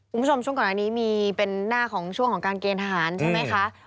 คุณผู้ชมช่วงก่อนอันนี้มีเป็นหน้าของช่วงของการเกณฑ์ทหารใช่ไหมคะ